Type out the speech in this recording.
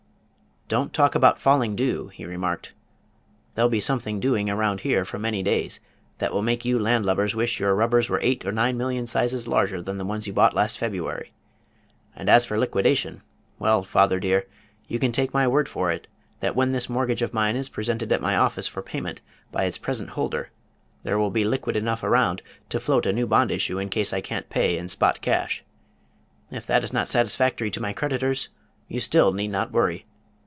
"Don't talk about falling dew," he remarked. "There'll be something dewing around here before many days that will make you landlubbers wish your rubbers were eight or nine million sizes larger than the ones you bought last February; and as for liquidation well, father dear, you can take my word for it that when this mortgage of mine is presented at my office for payment by its present holder there will be liquid enough around to float a new bond issue in case I can't pay in spot cash. If that is not satisfactory to my creditors, you still need not worry.